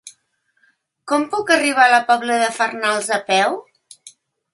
Com puc arribar a la Pobla de Farnals a peu?